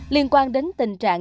liên quan đến tình trạng